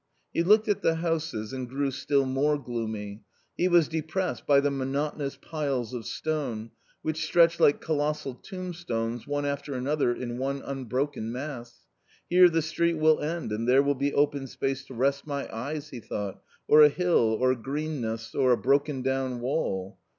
He looked at the houses and grew still more gloomy, he was depressed by the monotonous piles of stone, which stretch like colossal tombstones one after another in one unbroken mass. Here the street will end^' and there will be open space to rest my eyes — he thought — or a hill or greenness, or a broken down wall.